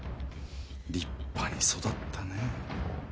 立派に育ったね。